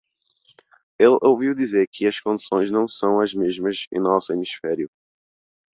Ele ouviu dizer que as condições não são as mesmas em nosso hemisfério.